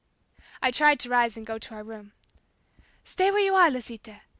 I tried to rise and go to our room. "Stay where you are, Lisita!"